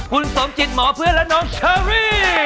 คุณสมจิตหมอเพื่อนและน้องน้องเฮฬย์